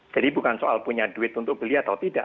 jadi bukan soal punya duit untuk beli atau tidak